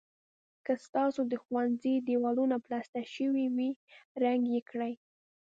که ستاسو د ښوونځي دېوالونه پلستر شوي وي رنګ یې کړئ.